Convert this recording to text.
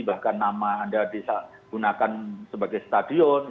bahkan nama anda digunakan sebagai stadion